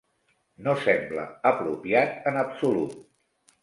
No sembla apropiat en absolut.